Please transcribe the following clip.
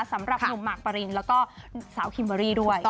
สำหรับหนุ่มหมากปรินแล้วก็สาวคิมเบอรี่ด้วย